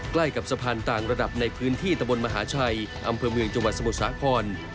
ใกล้กับสะพานต่างระดับในพื้นที่ตะบนมหาชัยอำเภอเมืองจังหวัดสมุทรสาคร